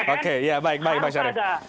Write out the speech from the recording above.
oke ya baik baik bang syarif